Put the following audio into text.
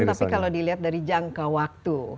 tapi kalau dilihat dari jangka waktu